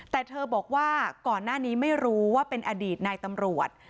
แต่เธอบอกว่าก่อนหน้านี้ไม่รู้ว่าเป็นอดีตนายตำรวจ